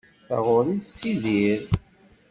Taɣuri tessidir.